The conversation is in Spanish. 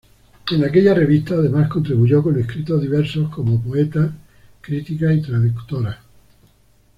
En aquella revista, además, contribuyó con escritos diversos como poeta, crítica y traductora.